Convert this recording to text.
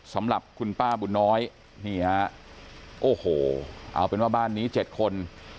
สำหรับคุณป้าบุญน้อยนี่ฮะโอ้โหเอาเป็นว่าบ้านนี้๗คน